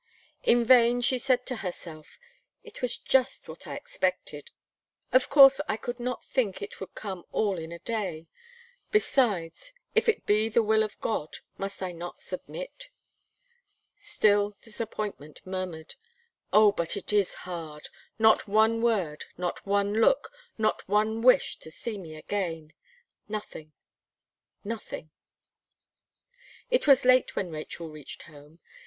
In vain she said to herself "It was just what I expected; of course, I could not think it would come all in a day. Besides, if it be the will of God, must I not submit?" still disappointment murmured: "Oh! but it is hard! not one word, not one look, not one wish to see me again; nothing nothing." It was late when Rachel reached home. Mrs.